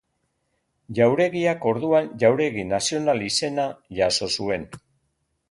Jauregiak, orduan, Jauregi Nazional izena jaso zuen.